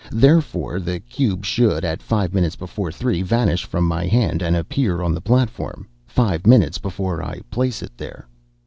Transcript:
Therefore, the cube should, at five minutes before three, vanish from my hand and appear on the platform, five minutes before I place it there."